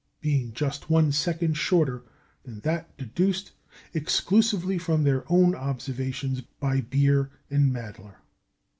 being just one second shorter than that deduced, exclusively from their own observations, by Beer and Mädler.